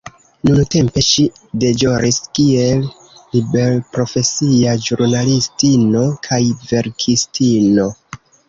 Nuntempe ŝi deĵoris kiel liberprofesia ĵurnalistino kaj verkistino.